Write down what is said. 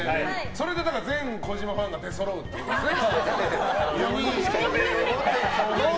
それで全児嶋ファンが出そろうってことですよね。